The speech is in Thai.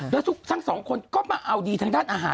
แล้วทั้ง๒คนก็มาเอาดีทางอาหาร